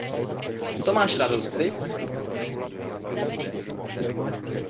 To máš radost, viď?